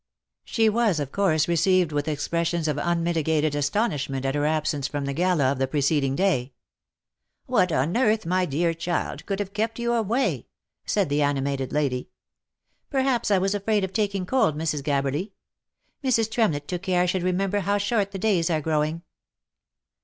She was, of course, received with expressions of unmitigated asto nishment at her absence from the gala of the preceding day. " What on earth, my dear child, could have kept you away V said the animated lady. " Perhaps I was afraid of taking cold, Mrs, Gabberly. Mrs. Trem lett took care I should remember how short the days are growing."